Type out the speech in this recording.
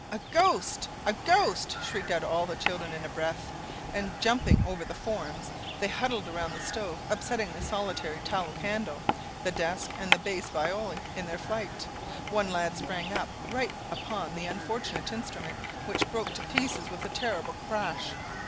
"A ghost! a ghost!" shrieked out all the children in a breath; and jumping over the forms, they huddled around the stove, upsetting the solitary tallow candle, the desk, and the bass viol, in their flight. One lad sprang right upon the unfortunate instrument, which broke to pieces with a terrible crash.